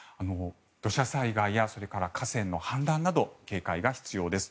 土砂災害やそれから河川の氾濫など警戒が必要です。